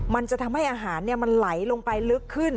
มันจะทำให้อาหารมันไหลลงไปลึกขึ้น